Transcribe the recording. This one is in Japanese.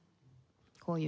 こういう。